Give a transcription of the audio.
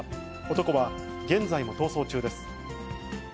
男は現在も逃走中です。